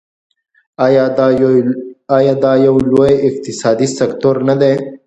آیا دا یو لوی اقتصادي سکتور نه دی؟